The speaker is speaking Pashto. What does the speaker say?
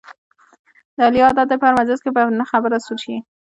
د علي عادت دی په هر مجلس کې په نه خبره سور شي.